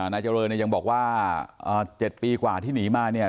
นายเจริญเนี่ยยังบอกว่า๗ปีกว่าที่หนีมาเนี่ย